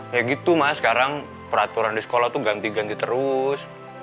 ya gitu mas sekarang peraturan di sekolah tuh ganti ganti terus